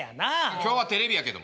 今日はテレビやけども。